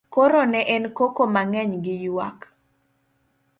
koro ne en koko mang'eny gi ywak